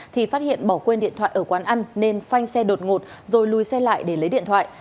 thì phát hiện bỏ quên điện thoại ở quán ăn nên phanh xe đột ngột rồi lùi xe lại để lấy điện thoại